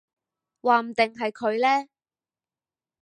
話唔定係佢呢